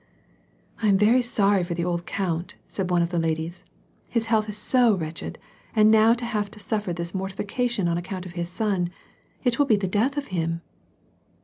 *•' 1 am very sorry for the old count," said one of the ladies, "his health is so wretched, and now to have to suffer this mortification on account of his son — it will be the death of him."